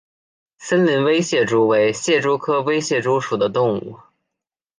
森林微蟹蛛为蟹蛛科微蟹蛛属的动物。